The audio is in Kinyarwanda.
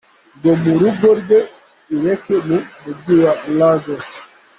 ng mu rugo rwe i Lekki mu Mujyi wa Lagos.